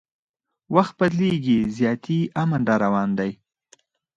وخت بدلیږي زیاتي امن راروان دی